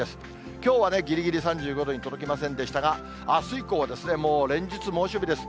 きょうはぎりぎり３５度に届きませんでしたが、あす以降はですね、もう連日、猛暑日です。